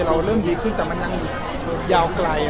เราเริ่มดีขึ้นแต่มันยังยาวไกล